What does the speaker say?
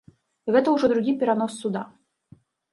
Гэта ўжо другі перанос суда.